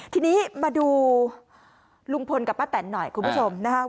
ทีนี้มาดูลุงพลกับป้าแตนหน่อยคุณผู้ชมนะครับ